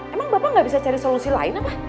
emang bapak nggak bisa cari solusi lain apa